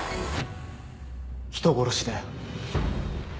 人殺しだよ。